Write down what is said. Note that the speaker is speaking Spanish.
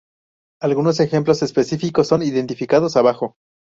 Algunos ejemplos específicos son identificados abajo.